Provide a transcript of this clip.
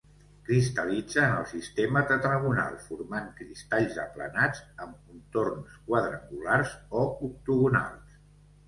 Cristal·litza en el sistema tetragonal formant cristalls aplanats, amb contorns quadrangulars o octogonals.